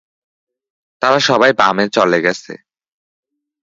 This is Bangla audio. তারা সবাই বামে চলে গেছে।